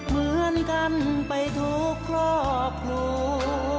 เหมือนกันไปทุกครอบครัว